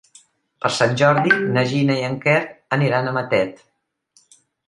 Per Sant Jordi na Gina i en Quer aniran a Matet.